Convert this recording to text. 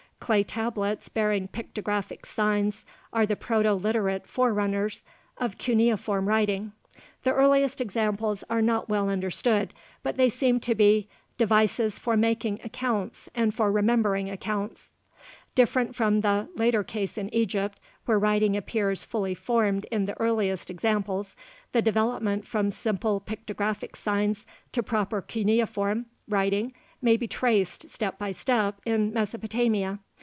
Clay tablets bearing pictographic signs are the Proto Literate forerunners of cuneiform writing. The earliest examples are not well understood but they seem to be "devices for making accounts and for remembering accounts." Different from the later case in Egypt, where writing appears fully formed in the earliest examples, the development from simple pictographic signs to proper cuneiform writing may be traced, step by step, in Mesopotamia.